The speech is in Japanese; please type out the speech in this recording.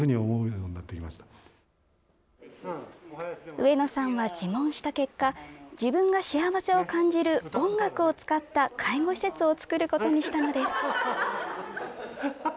上野さんは自問した結果自分が幸せを感じる音楽を使った介護施設を作ることにしたのです。